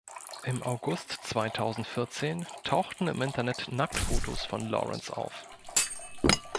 Im August zweitausendvierzehn tauchten im Internet Nacktfotos von Lawrence auf.